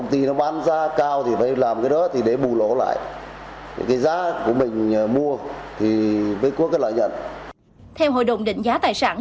theo hội đồng định giá tài sản